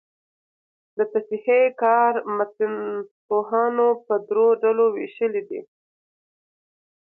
د تصحیح کار متنپوهانو په درو ډلو ویشلی دﺉ.